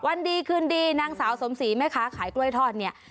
วันดีคืนดีนางสาวสมศรีแม่ค้าขายกล้วยทอดเนี่ย